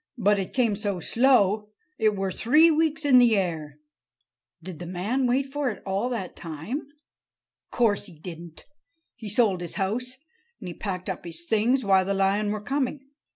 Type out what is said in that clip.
But it came so slow, it were three weeks in the air——" "Did the man wait for it all that time?" "Course he didn't. He sold his house, and he packed up his things, while the lion were coming.